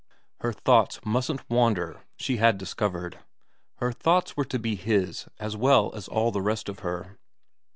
Her thoughts mustn't wander, she had discovered ; her thoughts were to be his as well as all the rest of her.